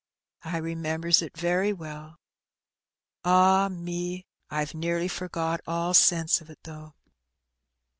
I remembers it very well ! Ah me, I've nearly forgot all sense o' it, though."